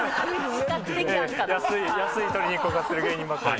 安い鶏肉を買ってる芸人ばっかりで。